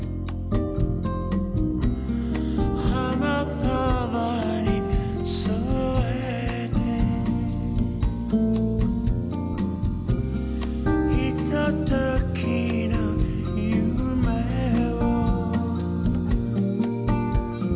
「花束に添えて」「ひとときの夢を」